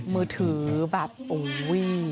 มือถือแบบโอ้โฮ